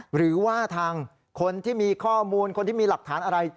หรือว่าทางคนที่มีข้อมูลคนที่มีหลักฐานอะไร